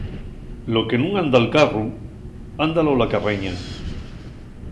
Lo que nun anda'l carru, ándalo la carreña.